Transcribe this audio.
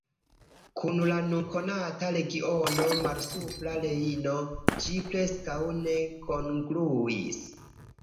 Kun la nun konata regiono Malsupra Rejno ĝi preskaŭ ne kongruis.